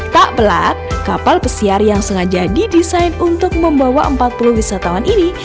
tak pelat kapal pesiar yang sengaja didesain untuk membawa empat puluh wisatawan ini